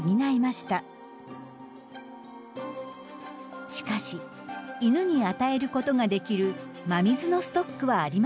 しかし犬に与えることができる真水のストックはありませんでした。